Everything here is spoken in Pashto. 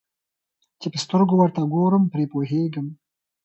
چي په سترګو ورته ګورم په پوهېږم